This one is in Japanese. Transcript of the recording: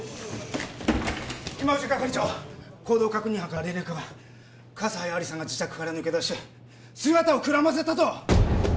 今藤係長行動確認班から連絡が葛西亜理紗が自宅から抜け出し姿をくらませたと！